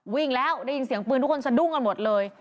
วิ่งแล้วได้ยินเสียงปืนทุกคนสะดุ้งกันหมดเลย